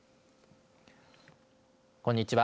こんにちは。